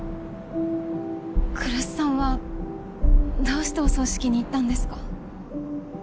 来栖さんはどうしてお葬式に行ったんですか？